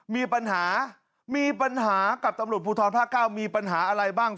มีปัญหามีปัญหากับตำรวจภูทรภาคเก้ามีปัญหาอะไรบ้าง